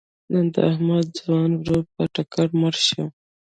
نن د احمد ځوان ورور په ټکر مړ شو.